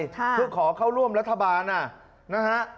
เพื่อขอเข้าร่วมรัฐบาลนะฮะ